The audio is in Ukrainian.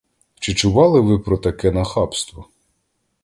Чи чували ви про таке нахабство?